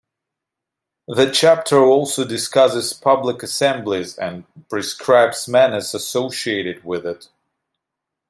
The chapter also discusses public assemblies and prescribes manners associated with it.